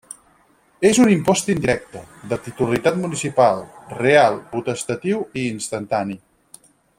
És un impost indirecte, de titularitat municipal, real, potestatiu i instantani.